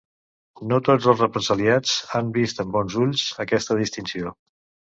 No tots els represaliats han vist amb bons ulls aquesta distinció.